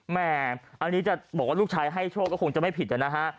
แม่อันนี้จะบอกว่าลูกชายให้โชคก็คงจะไม่ผิดนะฮะ